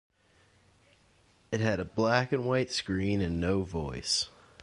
It had a black and white screen and no voice.